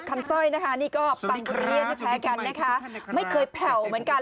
แก่มาแต่ละทีนี่คือคลีบเป็นไม้พัดนะคะ